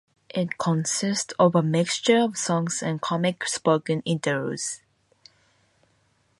It consists of a mixture of songs and comic spoken interludes.